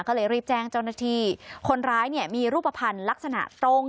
ก็เลยรีบแจ้งเจ้าหน้าที่คนร้ายเนี่ยมีรูปภัณฑ์ลักษณะตรง